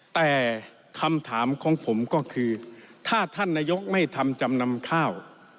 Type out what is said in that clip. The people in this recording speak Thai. แต่คำถามของผมก็คือถ้าท่านนายกไม่ทำจำนำข้าว